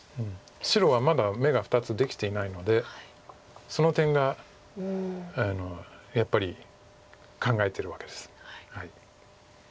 白はまだ眼が２つできていないのでその点がやっぱり考えてるわけです。